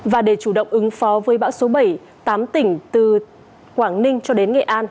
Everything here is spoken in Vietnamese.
và để chủ động ứng phó với bão số bảy tám tỉnh từ quảng ninh cho đến nghệ an